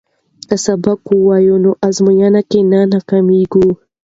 که سبق ووایو نو ازموینه کې نه ناکامیږو.